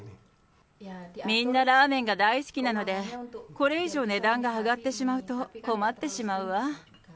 みんなラーメンが大好きなので、これ以上値段が上がってしまうと、困ってしまうわ。